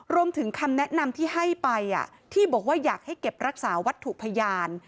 คำแนะนำที่ให้ไปที่บอกว่าอยากให้เก็บรักษาวัตถุพยาน